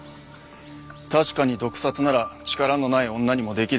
確かに毒殺なら力のない女にも出来る殺し方だ。